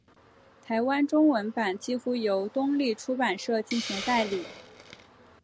台湾中文版几乎由东立出版社进行代理。